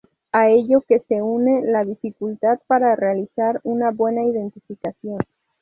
A ello que se une la dificultad para realizar una buena identificación.